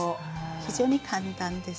非常に簡単です。